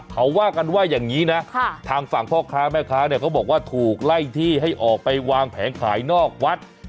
เขาว่ากันว่าอย่างนี้นะทางฝั่งพ่อค้าแม่ค้าเนี่ยเขาบอกว่าถูกไล่ที่ให้ออกไปวางแผงขายนอกวัด